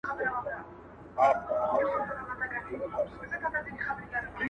ژوند څه و ته وې او له تا نه وروسته بيرته ته وې,